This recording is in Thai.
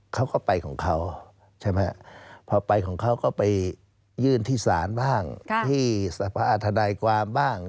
เขาก็ไปของเขาใช่ไหมพอไปของเขาก็ไปยื่นที่ศาลบ้างที่สภาอาทนายความบ้าง